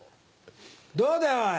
どうだおい